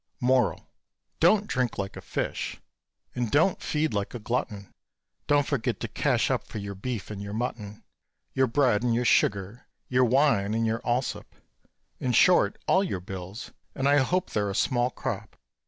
MORAL. Don't drink like a fish, and don't feed like a glutton; Don't forget to cash up for your beef and your mutton, Your bread and your sugar, your wine and your Allsop; In short, all your bills, and I hope they're a small crop.